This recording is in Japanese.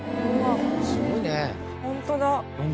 すごいね。